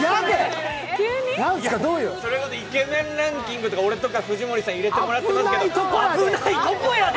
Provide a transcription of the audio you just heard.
それまでイケメンランキングとか、俺とか藤森さん入れてもらってますけど危ないとこやで！